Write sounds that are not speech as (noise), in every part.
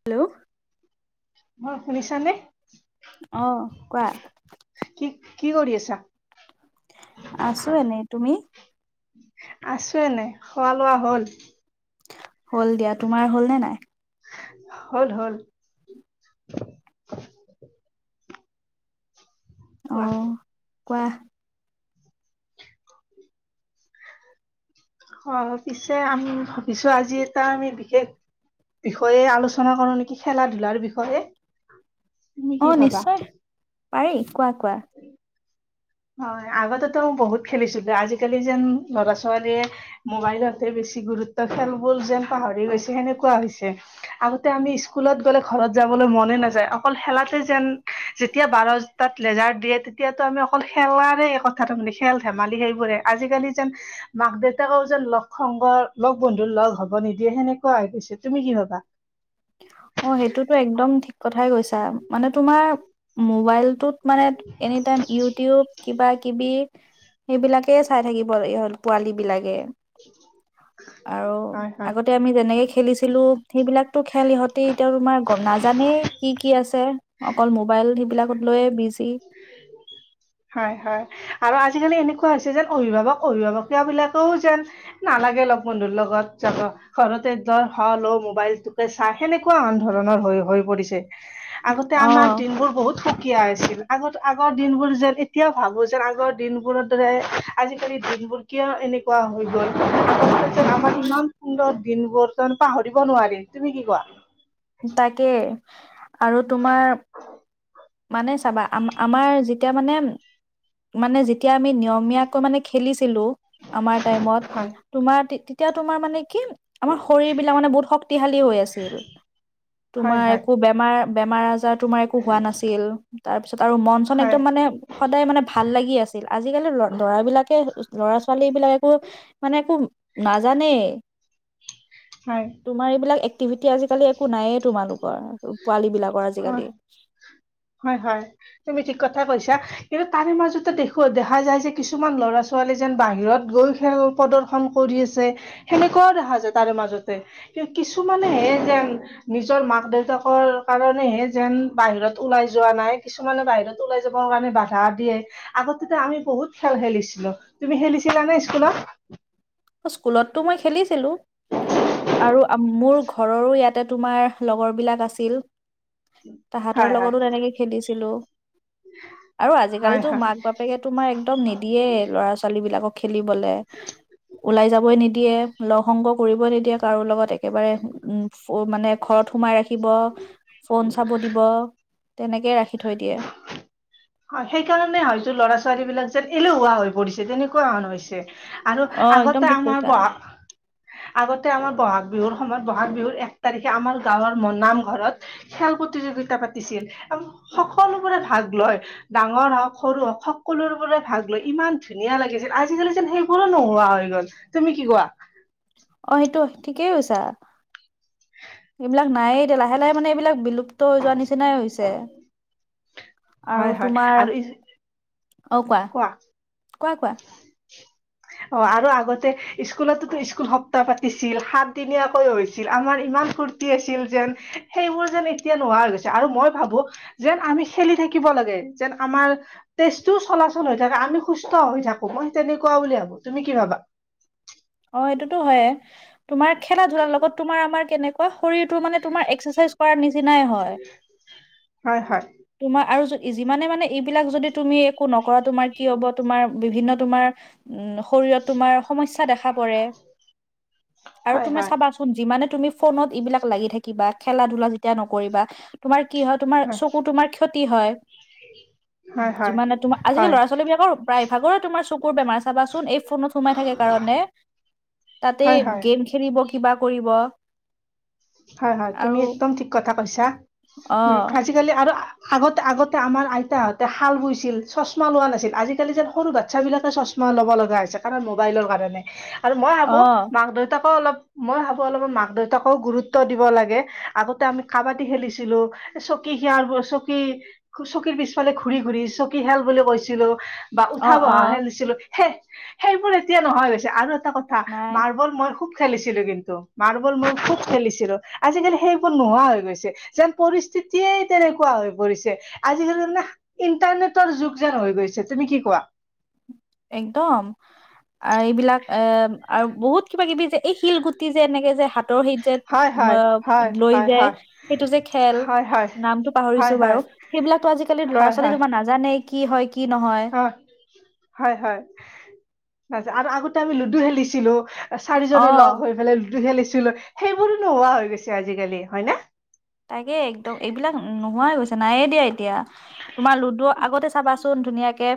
Hello. হয় শুনিছা নে? অহ' কোৱা। কি কৰি আছা? আছো এনেই। তুমি? আছো এনেই। খোৱা-লোৱা হ'ল? হ'ল দিয়া। তোমাৰ হ'ল নে নাই? হ'ল হ'ল কোৱা। কোৱাহ। অ' পিছে আমি ভাবিছোঁ আজি এটা আমি বিশেষ বিষয়ে আলোচনা কৰো নেকি খেলা-ধূলাৰ বিষয়ে। তুমি কি ভাবা? ঐ কোৱা কোৱা। অ' আগতেতো বহুত খেলিছিলো আজিকালি যেন ল'ৰা ছোৱালীয়ে মোবাইলতহে বেছ ছি গুৰুত্ব। খেলবোৰ যেন পাহৰি গৈছে সেনেকুৱা হৈছে, আগতে আমি স্কুলত গ'লে ঘৰত যাব বলৈ মনে নাযায় অকল খেলাতে যেন যেতিয়া বাৰতাত লেজাৰ দিয়ে তেতিয়াতো আমি অকল খেলাৰে কথা তাৰ মানে, খেল-ধেমালি সেইবোৰে। আজিকালি যেন মাক দেউতাকেও যেন লগ শং গৰ, লগ বন্ধুৰ লগ হ'ব নিদিয়ে সেনেকুৱা হৈ গৈছে তুমি কি ভাবা? অ' সেইটোতো একদম ঠিক কথাই কৈছা মানে তোমাৰ মোবাইল টোত মানে এনি টাইম ইউটিউব কিবা-কিবি। সেইবিলাকে চাই থাকিব লাগে ইহঁত পোৱালীবিলাকে। আৰু হয় হয় আগতে আমি যেনেকে খেলিছিলোঁ সেইবিলাকটো খেল ইহঁত এতিয়াও তোমাৰ গম, নাজানেই কি কি আছে অকল মোবাইল সেইবিলাকত লৈয়ে বি হয়, হয় আৰু আজ জিকালি এনেকুৱা হৈছে যেন অভিভাৱক অভিভাৱকীয়া বিলাকেও যেন নালাগে লগ বন্ধুৰ লগত যাব। ঘৰতে ধৰ হ ল' মোবাইলটোকে চা সেনেকুৱা আন ধৰণৰ হৈ হৈ পৰিছে। আগতে অ আমাৰ দিনবোৰ বহুত সুকীয়া আছিল। আগত, আগৰ দিনবোৰ যেন এতিয়াও ভাবো যেন আগৰ দিনবোৰৰ দৰে আজিকালি দিনবোৰ কিয় এ নেকুৱা হৈ গ'ল আমাৰ ইমান সুন্দৰ দিনবোৰ বৰ্তমা পাহৰিব নোৱাৰিম তুমি কি কোৱা? তাকে আৰু তোমাৰ মানে চাবা আম, আমাৰ যেতিয়া মানে, মানে যে তিয়া আমি নিয়মীয়াকৈ মানে খেলিছিলো আমাৰ টাইমত হয় তোমাৰ তে-তেতিয়া তোমাৰ মানে কি আমাৰ শৰীৰবিলাক মানে বহুত শক্তিশালী হৈ আছিল। হয় তোমাৰ হয় একো বেমাৰ বেমাৰ আজাৰ তোমাৰ একো হোৱা নাছ ছিল তাৰ পিছত আৰু মন চন হয় একদম মানে সদায় মানে ভাল লাগি আছিল। আজিকালি ল-ল'ৰা বিলাকে ল'ৰা ছোৱালী এইবিলাক একো মানে একো নাজানেই। হয় (inaudible) তোমাৰ এইবিলাক এক্টিভিটি আজিকালি একো নাইয়েই তোমালোকৰ পোৱালীবিলাকৰ হয় আজিকালি। হয়, হয় তুমি ঠিক কথাই কৈছা। কিন্তু তাৰে মাজতে দেখোঁ, দেখা যায় যে কিছুমান ল'ৰা-ছোৱালী যেন বাহিৰত গৈয়ো খেল প্ৰদৰ্শন কৰি আছে সেনেকুৱাও দেখা যা তাৰে মাজতে কিনো কিছুমানেহে যেন নিজৰ মাক-দেউতাকৰ কাৰণেহে যেন উ বাহিৰত ওলাই যোৱা নাই। কিছুমানে বাহিৰত ওলাই যাবৰ কাৰণে বাধা দিয়ে। আগতেটো আমি বহুত খেল খেলিছিলো। তুমি খেলিছিলা নে স্কুলত? স্কুলতটো মই খেলিছিলোঁ। আৰু আম-মোৰ ঘৰৰো ইয়াতে তোমাৰ লগৰ বিলাক আছিল। তাহতঁৰ হয় হয় লগতো তেনেকে খেলিছিলোঁ। আৰু হয় আজিকালিতো হয় মাক বাপেকে তোমাৰ একদম নিদিয়ে ল'ৰা ছোৱালী বিলাকক। খেলিবলে। ওলাই যাবই নিদিয়ে, লগ সংগ কৰিব নিদিয়ে কাৰো লগত। একেবাৰে উ ফ, মানে ঘৰত সোমাই ৰাখিব, ফোন চাব দিব। তেনেকেই ৰাখি থৈ দিয়ে। হয় সেইকাৰণে হয়তো ল'ৰা ছোৱালী বিলাক যেন এলেহুৱা হৈ পৰিছে তেনেকুৱা হেন হৈছে। আৰু অ একদম আগতে ঠিক কৈছা আমাৰ বহা (inaudible) আগতে আমাৰ বহাগ বিহুৰ সময়ত বহাগ বিহুৰ এক তাৰিখে আমাৰ গাঁৱৰ ম-নামঘৰত খেল প্ৰতিযোগি গিতা পাতিছিল আৰু সকলোবোৰে ভাগ লয়। ডাঙৰ হওক, সৰু হওক সকলোবোৰে ভাগ লৈ ইমান ধুনীয়া লাগিছিল, আজিকালি যেন সেইবোৰো নোহোৱা হয়। (unintelligible) তুমি কি কোৱা? অ সেইটো ঠিকেই কৈছা, এইবিলাক নাই এতিয়া লাহে লাহে মানে এইবিলাক বিলুপ্ত হৈ যোৱাৰ নিচিনা নিচিনাই হৈছে। আৰু হয় হয় তোমাৰ আৰু অ' কোৱা, কোৱা-কোৱা? অ' আৰু আগতে স্কুলতো স্কুল সপ্তাহ পাতিছিল, সাতদিনীয়াকৈ হৈছিল আমাৰ ইমান ফুুৰ্তি আছিল যেন, সেইবোৰ যেন এতিয়া নোহোৱা হৈ গৈছে আৰু মই ভাবোঁ যেন আমি খেলি থাকিব থাকিব লাগে। যেন আমাৰ তেজতো চলাচল হৈ থাকে আমি সুস্থ সুস্থ হৈ থাকো, মই তেনেকুৱা বুলি ভাবোঁ। তুমি কি ভাবা? অ এইটোতো হয়ে তোমাৰ খেলা-ধূলাৰ লগত তোমাৰ, আমাৰ কেনেকুৱা শৰীৰটোৰ মানে তোমাৰ এক্সাৰচাইজ কৰাৰ নিচনা নিচিনাই হয়। হয় হয় তোমাৰ আৰু যি যিমানে মানে এইবিলাক যদি তুমি একো নকৰা, তোমাৰ কি হ'ব? তোমাৰ বিভিন্ন তোমাৰ উম' শৰীৰত তোমাৰ সমস্যা দেখা পৰে। (inaudible) আৰু হয় তুমি হয় চাবাচোন মানে তুমি ফোনত ইবিলাক লাগি থাকিবা। খেলা-ধূলা যেতিয়া নকৰিবা, তোমাৰ কি হয়? তোমাৰ চকু তোমাৰ ক্ষতি হয়। হয় হয় যিমানে তোমাৰ হয় আজিকালি হয় ল'ৰা-ছোৱালী বিলাকৰ প্ৰায়ভাগৰে তোমাৰ চকুৰ বেমাৰ চাবাচোন এই ফোনত সোমাই থাকে কাৰণে। তাতে হয় হয় গেম খেলিব, কিবা কৰিব। হয়-হয় তুমি আৰু একদম ঠিক কথা কৈছা। অ উম' আজিকালি আৰু আগতে-আগতে আমাৰ আইতাহঁতে শাল বইছিল, চশমা লোৱা নাছিল। আজিকালি যেন সৰু বাচ্ছা বিলাকে চশমা চশমা ল'ব লগা হৈছে, কাৰণ মোবাইলৰ কাৰণে। আৰু মই ভাবোঁ অ', মাক-দেউতাকো অলপ, মই ভাবোঁ অলপ মাক-দেউতাকেও গুৰুত্ব গুৰুত্ব দিব লাগে। আগতে আমি কাবাডী খেলিছিলোঁ, চকী সিয়াৰ চকী, চকীত পিছফালে ঘূৰি-ঘূৰি চকী খেল বুলি কৈছিলো। বা উঠা অ', বহা অ', খেলিছিলো। সে সেইবোৰ এতিয়া নহা হৈ গৈছে আৰু এ টা কথা নাই মাৰ্বল মই খুব খেলিছিলো কিন্তু। মাৰ্বল মই খুব খেলিছি ছিলো আজিকালি সেইবোৰ নোহোৱা হৈ গৈছে যেন পৰিস্থিতিয়েই তেনেকুৱা হৈ পৰিছে। আজিকালি মানে ইণ্টাৰনেটৰ যুগ যেন হৈ গৈছে। তুমি কি কোৱা? একদম, অ এইবিলাক এ আৰু বহুত কিবা-কিবি যে এই শিলগুটি যে এনেকে যে হাতৰ সেইত যে হয় উম হয় অ হয় লৈ হয় যে হয় সেইটো যে খেল হয় নামটো পাহৰিছো হয় বাৰু। হয় সেইবিলাকতো আজিকালিৰ ল'ৰা- হয় হয় ছোৱালী হয় তোমাৰ নাজানেই। কি হয় কি নহয়। অ হয় হয় আচ্চা আৰু আগতে আমি লুডু খেলিছিলো। চাৰিজনে অ'। লগ হৈ ফেলাই লুডু খেলিছিলো। সেইবোৰো নোহোৱা হৈ গৈছে আজিকালি, হয় না? তাকে একদম এইবিলাক নোহোৱাই হৈছে, নায়েই দিয়া এতিয়া। তোমাৰ লুডু আগতে চাবা চোন ধুনীয়াকে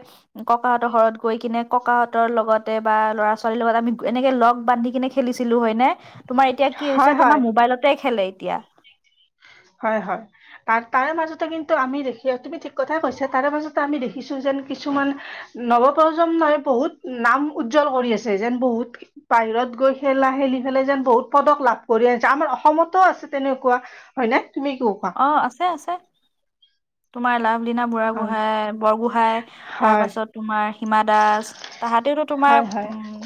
ককাহঁতৰ ঘৰত গৈ কিনে ককাহঁতৰ লগতে বা ল'ৰা-ছোৱালীৰ লগত আমি এনে কে লগ বান্ধি কিনে খেলিছিলো, হয় নে? তোমাৰ এতিয়া কি হৈছে হয় তোমাৰ হয় মোবাইলতে খেলে এতিয়া। হয় হয়। তাৰ তাৰে মাজতে কিন্তু আমি দেখি, তুমি ঠিক কথাই কৈছা, তাৰে মাজতে আমি দেখিছো যে কিছুমান নৱ প্ৰজন্মই বহুত নাম উজ্জ্বল কৰি আছে যেন বহুত বা হিৰত গৈ খেলা-খেলি ফেলাই যেন বহুত পদক লাভ কৰি আনছে আমাৰ অসমতো আছে তেনেকুৱা। হয়নে তুমি কি কোৱা অ আছে আছে, তোমাৰ লাভ লিনা হয় বুঢ়াগোহাই বৰগোহাঁই তাৰ হয় পাছত তোমাৰ হিমা দাস, তাহাতেওতো তোমাৰ হয় হয় উম,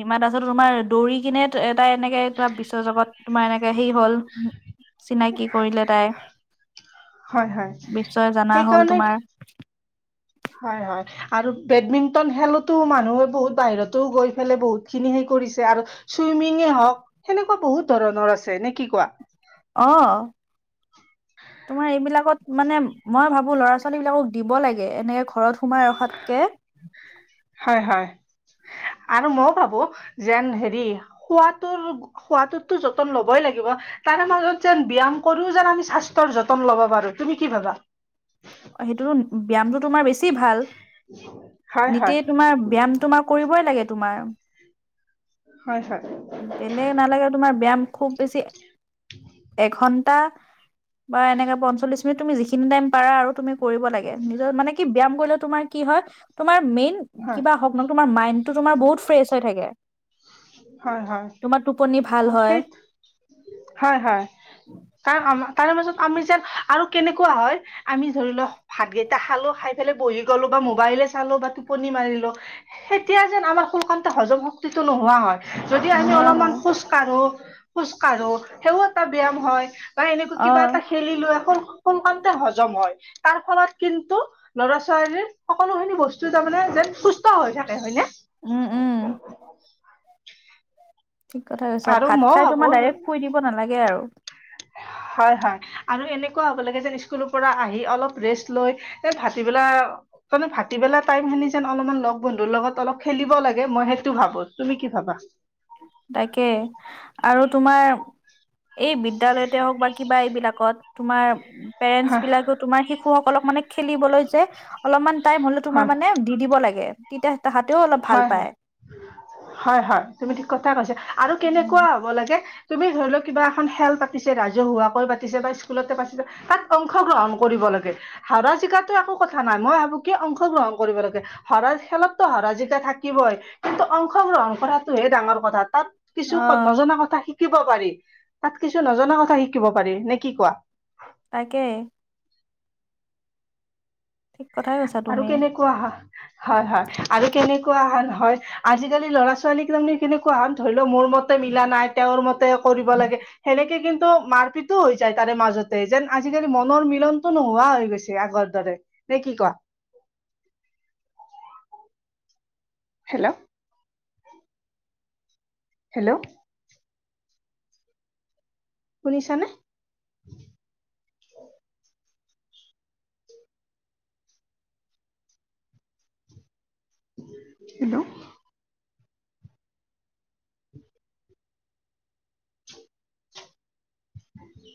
হিমা দাসৰ তোমাৰ দৌৰি কিনে এত তাই এনেকে তোমাৰ বিশ্বজগত তোমাৰ এনেকে সেই হ'ল চিনাকি কৰিলে তাই। হয় হয়। বিশ্বয় জনা হ'ল তোমাৰ হয়-হয় আৰু বেডমিন্টন খেলতো মানুহে বহুত বাহিৰতো গৈ ফেলে বহুত খিনি কৰিছে আৰু চুইমিঙয় হওক সেনেকুৱা বহুত ধৰণৰ আছে নে কি কোৱা? অ', তোমাৰ এইবিলাকত মানে মই ভাবো ল'ৰা ছোৱালী বিলাকক দিব লাগে এনেকে ঘৰত সোমাই ৰখাতকে। হয় হয় আৰু মইও ভাবো, যেন হেৰি, খোৱাটোৰ-খোৱাটোততো যতন ল'বই লাগিব তাৰে মাজত যেন ব্যায়াম কৰিও যেন আমি স্বাস্থ্যৰ যতন ল'ব পাৰো, তুমি কি ভাবা? সেইটোতো ব্যায়ামটো তোমাৰ বেছি ভাল। হয় হয় নিতেই তোমাৰ ব্যায়াম তোমাৰ কৰিবই লাগে তোমাৰ। হয় হয় বেলেগ নালাগে তোমাৰ ব্যায়াম খুব বেছি এঘন্ টা, বা এনেকে পঞ্চল্লিশ মিনিট, তুমি যিখিনি টাইম পাৰা আৰু। তুমি কৰিব লাগে, নিজৰ মানে কি, ব্যায়াম কৰিলে তোমাৰ কি হয়, তোমাৰ মেইন হয় কিবা হক নহওঁক, তোমাৰ মাইণ্ডটো তোমাৰ বহুত ফ্ৰেছ হৈ থাকে। হয় হয়। তোমাৰ টোপনি ভাল হয় সেই, হয় হয়, (unintelligible) তাৰ মাজত আমি যেন, আৰু কেনেকুৱা হয়, আমি ধৰি লওঁ ভাত কেইটা খালো, খাই পেলাই বহি গ'লো বা মোবাইলে চালো বা টোপনি মাৰিলো, সেতিয়া যেন আমাৰ সোনকালতে হজম শক্তিটো নোহোৱা হয়। যদি আমি নোহোৱা অলপমান হয় খোজ কাঢ়ো, খোজ কাঢ়ো সেইও এটা ব্যায়াম হয়। বা এনেকৈ কিবা এটা অ', খেলিলো, আকৌ সোনকালতে হজম হয়, তাৰ ফলত কিন্তু ল'ৰা ছোৱালীৰ সকলোখিনি বস্তু তাৰমানে যেন সুস্থ হৈ থাকে, হয় নে? উম উম। ঠিক কথা কৈছা, আৰু ভাত মই খাই তোমাৰ ভাবো ডাইৰেক্ট শুই দিব নালাগে আৰু। হয় হয়, আৰু এনেকুৱা হ'ব লাগে যেন স্কুলৰ পৰা আহি অলপ ৰেষ্ট লৈ যে ভাটিবেলা তাৰমানে ভাটিবেলা টাইম খিনি যেন অলপমান লগ বন্ধুৰ লগত অলপ খেলিব লাগে, মই সেইটো ভাবো, তুমি কি ভাবা? বা তাকে, আৰু তোমাৰ এই বিদ্যালয়তে হওক বা কিবা এইবিলাকত তোমাৰ পেৰেন্টচ হয় বিলাকেও তোমাৰ শিশু সকলক মানে খেলিবলৈ যে অলপমান টাইম হ'লেও, তোমাৰ হয় মানে দি দিব লাগে। তেতিয়া তাহাঁতেও অলপ ভাল হয় পায়। হয়, হয় হয় তুমি ঠিক কথাই কৈছা, আৰু উম, কেনেকুৱা হ'ব লাগে তুমি ধৰি লোৱা, কিবা এখন খেল পাতিছে ৰাজহুৱাকৈ পাতিছে বা স্কুলতে পাতিছে, তাত অংশগ্ৰহণ কৰিব ব লাগে, হৰা জিকাটো একো কথা নাই, মই ভাবো কি অংশগ্ৰহণ কৰিব লাগে, হৰা-খেলততো হৰা জিকা থাকিবই, কিন্তু অংশগ্ৰহণ কৰাটোহে ডাঙৰ কথা, তাত কিছু অ', নজনা কথা শি শিকিব পাৰি, তাত কিছু নজনা কথা শিকিব পাৰি, নে কি কোৱা? তাকে। ঠিক কথাই কৈছা আৰু তুমি। কেনেকুৱা হা, হয় হয়, আৰু কেনেকুৱা হয় ন হয়, আজিকালি ল'ৰা ছোৱালী তাৰমানে কেনেকুৱা হয়, ধৰি লোৱা মোৰ মতে মিলা নাই, তেওঁৰ মতে কৰিব লাগে সেনেকে কিন্তু মাৰপিটো হৈ যায় তাৰে মাজতে, যেন আজিকালি মনৰ মিলনটো নোহোৱা হৈ গৈছে। আগৰ দৰে, নে কি কোৱা? হেল্ল' হেল্ল' শুনিছানে? হেল্ল' উ